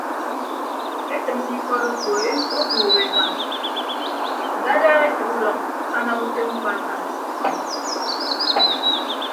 Etịmme ikọt okpo ọbuuk eka ndadaha etәk udọk anam utom mkpa akañ.